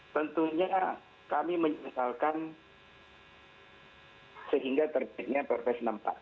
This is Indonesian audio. tentunya kami menyesalkan sehingga terbitnya perpres enam puluh empat